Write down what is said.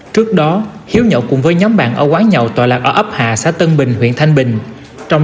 trước đó hiếu nhậu cùng với nhóm bạn ở quán nhậu tọa lạc ở ấp hạ xã tân bình huyện thanh bình trong